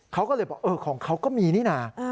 เขาก็เลยบอกเออของเขาก็มีนี่นะ